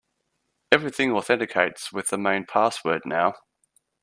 Everything authenticates with the main password now.